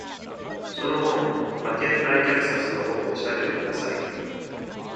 その本、バケン大虐殺の本を調べてください。